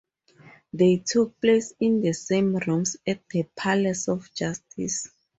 They took place in the same rooms at the Palace of Justice.